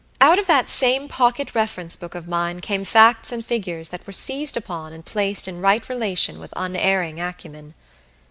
Out of that same pocket reference book of mine came facts and figures which were seized upon and placed in right relation with unerring acumen.